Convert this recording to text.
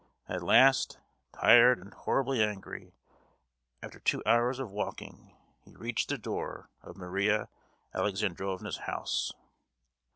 At last, tired and horribly angry, after two hours of walking, he reached the door of Maria Alexandrovna's house.